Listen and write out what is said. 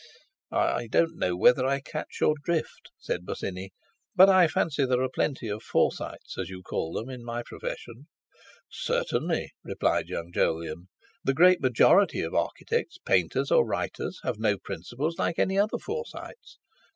"I don't know whether I catch your drift," said Bosinney, "but I fancy there are plenty of Forsytes, as you call them, in my profession." "Certainly," replied young Jolyon. "The great majority of architects, painters, or writers have no principles, like any other Forsytes.